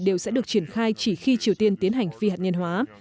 đều sẽ được triển khai chỉ khi triều tiên tiến hành phi hạt nhân hóa